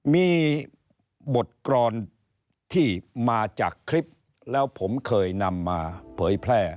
มีบทกรอนที่มาจากคลิปแล้วผมเคยนำมาเผยแพร่